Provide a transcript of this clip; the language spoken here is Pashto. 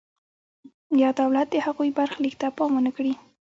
یا دولت د هغوی برخلیک ته پام ونکړي.